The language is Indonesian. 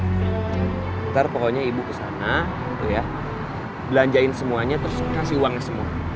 ntar pokoknya ibu ke sana belanjain semuanya terus kasih uangnya semua